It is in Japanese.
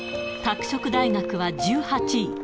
拓殖大学は１８位。